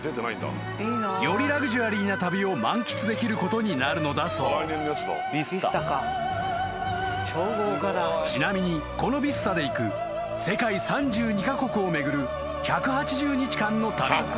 ［よりラグジュアリーな旅を満喫できることになるのだそう］［ちなみにこのＶＩＳＴＡで行く世界３２カ国を巡る１８０日間の旅］